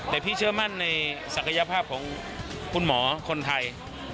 แต่พี่เชื่อมั่นในศักยภาพของคุณหมอคนไทย